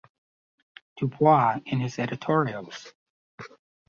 Du Bois in his editorials.